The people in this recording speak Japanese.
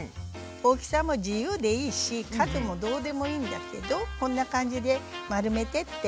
大きさも自由でいいし数もどうでもいいんだけどこんな感じで丸めてって。